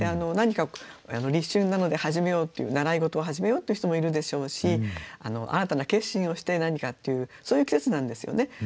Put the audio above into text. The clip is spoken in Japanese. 何か立春なので始めようっていう習い事を始めようっていう人もいるでしょうし新たな決心をして何かっていうそういう季節なんですよね。